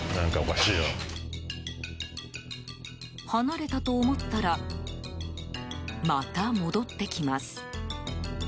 離れたと思ったらまた戻ってきます。